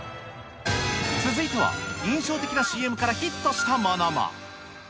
続いては、印象的なＣＭからヒットしたものも。